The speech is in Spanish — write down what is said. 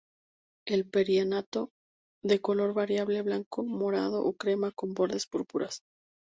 El perianto de color variable, blanco, morado o crema con bordes púrpuras.